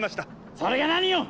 それが何よ